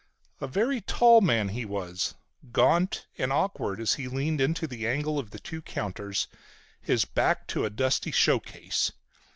A very tall man he was, gaunt and awkward as he leaned into the angle of the two counters, his back to a dusty show case.